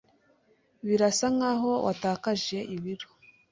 Birasa nkaho watakaje ibiro.